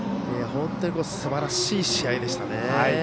本当にすばらしい試合でしたね。